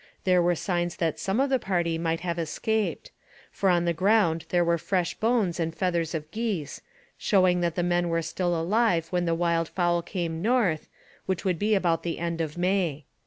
There were signs that some of the party might have escaped; for on the ground there were fresh bones and feathers of geese, showing that the men were still alive when the wild fowl came north, which would be about the end of May.